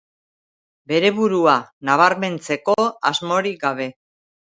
Bere burua nabarmentzeko asmorik gabe.